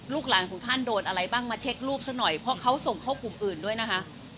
หลานของท่านโดนอะไรบ้างมาเช็ครูปซะหน่อยเพราะเขาส่งเข้ากลุ่มอื่นด้วยนะคะ